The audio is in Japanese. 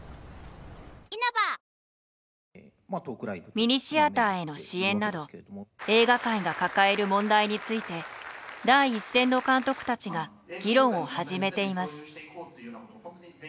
ミニシアターへの支援など映画界が抱える問題について第一線の監督たちが議論を始めています。